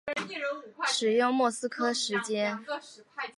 使用莫斯科时间。